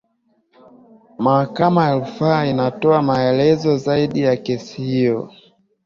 mahakama ya rufaa inatoa maelezo zaidi ya kesi hiyo